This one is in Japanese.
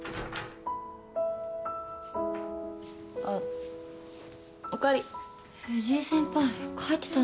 あっ。